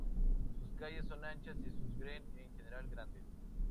Sus calles son anchas y sus "green", en general, grandes.